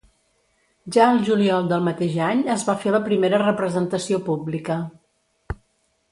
Ja el juliol del mateix any es va fer la primera representació pública.